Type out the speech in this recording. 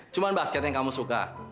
cuma basket yang kamu suka